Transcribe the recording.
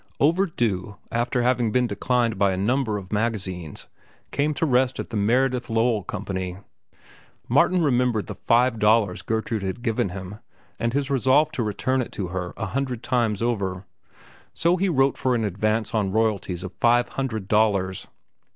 "Overdue," after having been declined by a number of magazines, came to rest at the Meredith Lowell Company. Martin remembered the five dollars Gertrude had given him, and his resolve to return it to her a hundred times over; so he wrote for an advance on royalties of five hundred dollars.